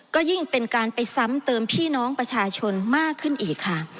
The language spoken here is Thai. ก็ยิ่งเป็นการไปซ้ำเติมพี่น้องประชาชนมากขึ้นอีกค่ะ